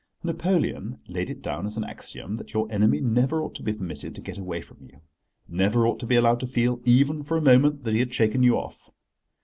Napoleon laid it down as an axiom that your enemy never ought to be permitted to get away from you—never ought to be allowed to feel, even for a moment, that he had shaken you off.